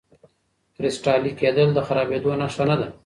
کرسټالي کېدل د خرابېدو نښه نه ده.